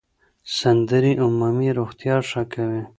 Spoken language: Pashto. سندرې عمومي روغتیا ښه کوي.